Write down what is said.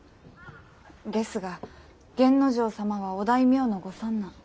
ですが源之丞様はお大名のご三男。